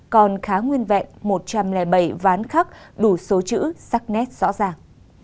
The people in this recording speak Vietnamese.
còn khá nguyên vẹn một trăm linh bảy ván khắc đủ số chữ sắc nét rõ ràng